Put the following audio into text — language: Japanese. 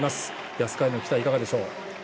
安川への期待、いかがでしょう。